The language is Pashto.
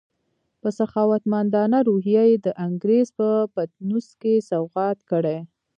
په سخاوتمندانه روحیه یې د انګریز په پطنوس کې سوغات کړې.